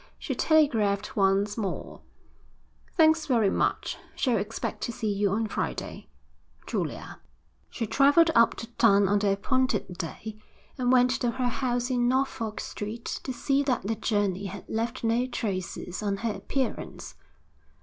She telegraphed once more. Thanks very much. Shall expect to see you on Friday. Julia. She travelled up to town on the appointed day and went to her house in Norfolk Street to see that the journey had left no traces on her appearance.